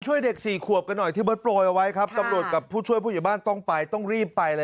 ช่วยเด็กสี่ขวบกันหน่อยที่เบิกโปรยเอาไว้ครับ